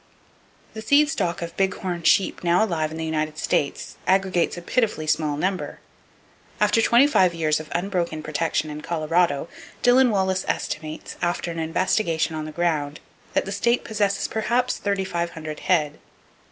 The seed stock of big horn sheep now alive in the United States aggregates a pitifully small number. After twenty five years of unbroken protection in Colorado, Dillon Wallace estimates, after an investigation on the ground, that the state possesses perhaps thirty five hundred head.